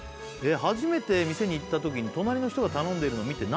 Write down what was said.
「初めて店に行った時に隣の人が頼んでいるのを見て」